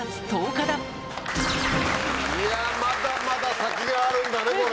まだまだ先があるんだねこれ。